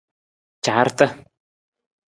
Caarata.